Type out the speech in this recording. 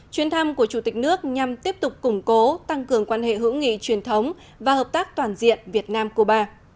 chuyến thăm của chủ tịch nước nhằm tiếp tục củng cố tăng cường quan hệ hữu nghị truyền thống và hợp tác toàn diện việt nam cuba